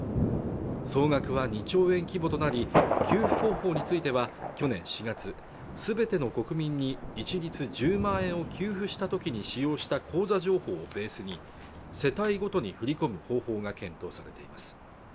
総額は２兆円規模となり給付方法については去年４月すべての国民に一律１０万円を給付したときに使用した口座情報をベースに世帯ごとに振り込む方法が検討されています